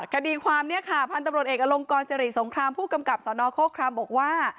คดีความเนี่ยค่ะพันธุ์ตำรวจเอกอลงกรสิริสงครามผู้กำกับสนโครครามบอกว่า